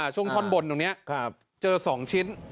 ท่อนบนตรงนี้เจอ๒ชิ้น